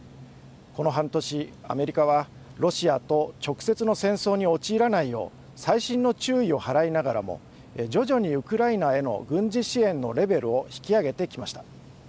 この半年アメリカはロシアと直接の戦争に陥らないよう細心の注意を払いながらも徐々にウクライナへの軍事支援のレベルを引き上げてきました。